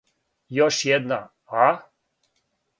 Још једна, а?